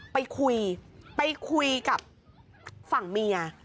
ไปคุยไปคุยกับฝั่งเมีย